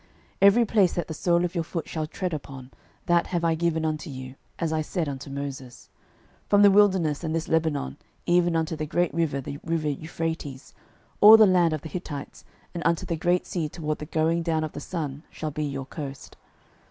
06:001:003 Every place that the sole of your foot shall tread upon, that have I given unto you, as I said unto Moses. 06:001:004 From the wilderness and this Lebanon even unto the great river, the river Euphrates, all the land of the Hittites, and unto the great sea toward the going down of the sun, shall be your coast.